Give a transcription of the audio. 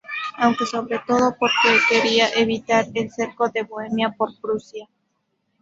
Aunque sobre todo porque quería evitar el cerco de Bohemia por Prusia.